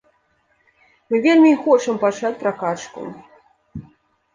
Мы вельмі хочам пачаць пракачку.